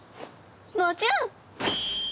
もちろん！